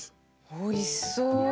おいしそう！